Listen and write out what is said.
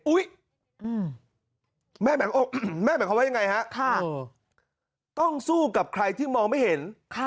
แม่หมายความว่ายังไงฮะต้องสู้กับใครที่มองไม่เห็น